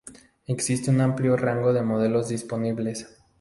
Existe un amplio rango de modelos disponibles.